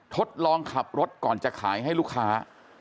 ทดลองขับรถก่อนจะขายให้ลูกค้า